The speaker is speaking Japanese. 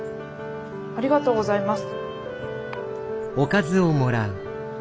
ありがとうございます。